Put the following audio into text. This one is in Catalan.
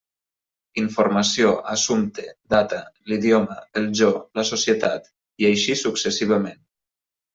Informació, assumpte, data, l'idioma, el jo, la societat, i així successivament.